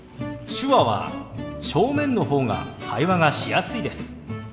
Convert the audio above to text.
手話は正面の方が会話がしやすいです。